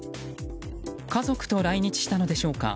家族と来日したのでしょうか。